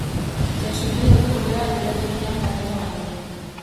Chasuble doktorea lorategian barrena dator.